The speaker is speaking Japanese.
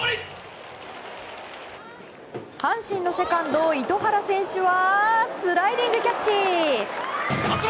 阪神のセカンド糸原選手はスライディングキャッチ！